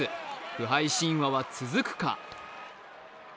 不敗神話は続くか？